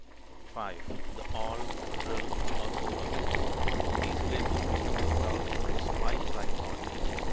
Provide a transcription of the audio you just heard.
5. The "awl," "drill," or "borer." These blade tools are worked out to a spike like point.